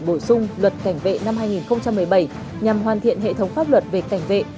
bổ sung luật cảnh vệ năm hai nghìn một mươi bảy nhằm hoàn thiện hệ thống pháp luật về cảnh vệ